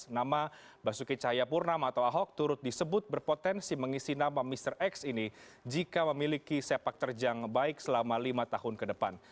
nama basuki cahayapurnam atau ahok turut disebut berpotensi mengisi nama mr x ini jika memiliki sepak terjang baik selama lima tahun ke depan